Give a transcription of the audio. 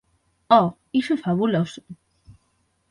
Oh, iso é fabuloso.